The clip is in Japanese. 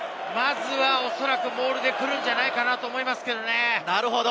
おそらくモールで来るんじゃないかと思いますけれどね。